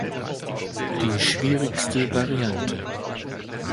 Die schwierigste Variante.